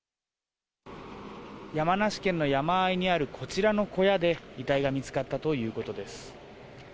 山梨県の山間にあるこちらの小屋で、遺体が見つかったということです。